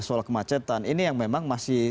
soal kemacetan ini yang memang masih